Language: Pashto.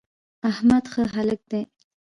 احمد ښه هلک دی.